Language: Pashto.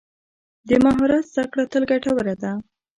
د مهارت زده کړه تل ګټوره ده.